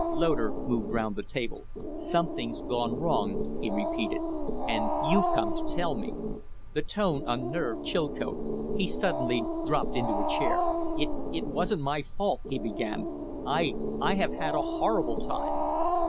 Loder moved round the table. "Something's gone wrong," he repeated. "And you've come to tell me." The tone unnerved Chilcote; he suddenly dropped into a chair. "It it wasn't my fault," he began. "I I have had a horrible time!"